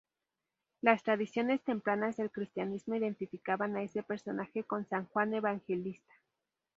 Las tradiciones tempranas del cristianismo identificaban a ese personaje con san Juan Evangelista.